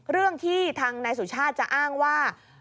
เรื่องที่ทางนายสุชาติจะอ้างว่า